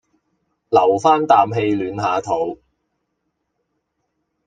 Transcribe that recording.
留返啖氣暖下肚